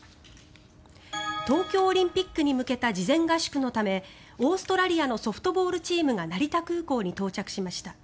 東京オリンピックに向けた事前合宿のためオーストラリアのソフトボールチームが成田空港に到着しました。